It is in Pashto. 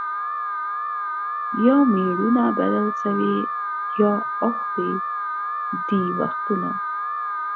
یا مېړونه بدل سوي یا اوښتي دي وختونه